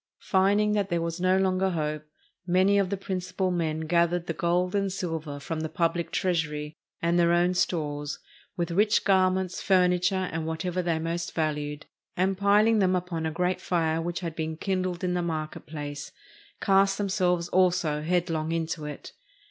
Finding that there was no longer hope, many of the principal men gathered the gold and silver from the pubHc treasury, and their own stores, with rich garments, furniture, and whatever they most valued, and piling them upon a great fire which had been kindled in the market place, cast themselves also headlong into it.